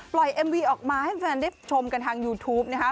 เอ็มวีออกมาให้แฟนได้ชมกันทางยูทูปนะคะ